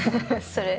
それ。